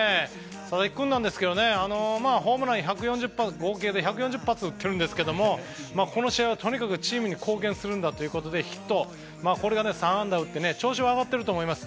佐々木君なんですがホームランを合計で１４０発打っているんですがこの試合は、とにかくチームに貢献するんだということでヒット、３安打を打って調子は上がっていると思います。